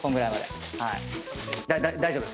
大丈夫ですか？